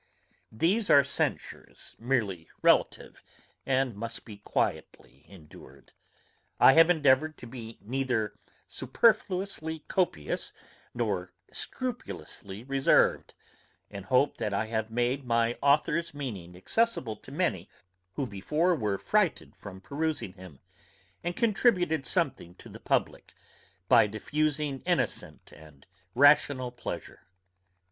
These are censures merely relative, and must be quietly endured. I have endeavoured to be neither superfluously copious, nor scrupulously reserved, and hope that I have made my authour's meaning accessible to many who before were frighted from perusing him, and contributed something to the publick, by diffusing innocent and rational pleasure.